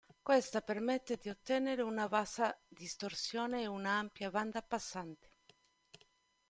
Questa permette di ottenere una bassa distorsione ed una ampia banda passante.